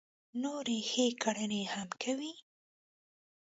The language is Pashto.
نورې ښې کړنې هم کوي.